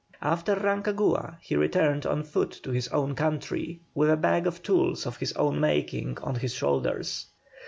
After Rancagua he returned on foot to his own country, with a bag of tools of his own making on his shoulders.